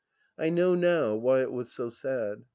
,.. I know now why it was so sad.